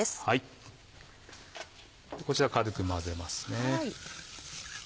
こちら軽く混ぜますね。